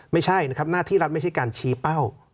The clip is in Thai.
ไม่ใช่นะครับหน้าที่รัฐไม่ใช่การชี้เป้า